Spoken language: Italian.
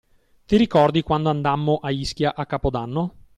Ti ricordi quando andammo a Ischia a capodanno?